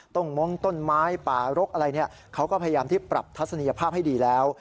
้งม้งต้นไม้ป่ารกอะไรเนี่ยเขาก็พยายามที่ปรับทัศนียภาพให้ดีแล้ว